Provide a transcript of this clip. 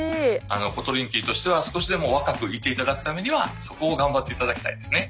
あのコトリンキーとしては少しでも若くいていただくためにはそこを頑張っていただきたいですね。